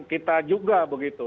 kita juga begitu